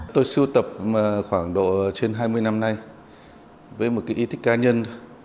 tôi siêu tập khoảng độ trên hai mươi năm nay với một cái ý thích cá nhân